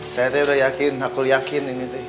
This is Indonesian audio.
saya tuh udah yakin aku yakin ini tuh